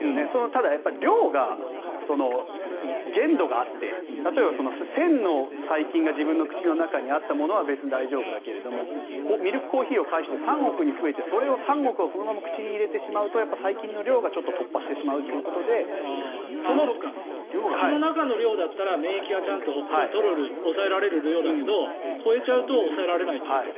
ただ、やっぱり量が限度があって例えば１０００の細菌が自分の口の中にあっても別に大丈夫だけどミルクコーヒーを介して３億に増えて、それをそのまま口に入れてしまうとやっぱり細菌の量が突破してしまうということで口の中の量だったら免疫がコントロール抑えられる量だけど超えちゃうと抑えられないということ。